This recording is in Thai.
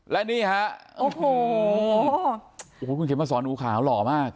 และนี้ฮะโอ้โหไม่ควรพูดมาสอนอู๋ขาวหล่อมาก